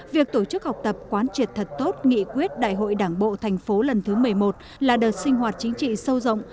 việc tổ chức học tập quán triệt thật tốt nghị quyết đại hội đảng bộ thành phố lần thứ một mươi một là đợt sinh hoạt chính trị sâu rộng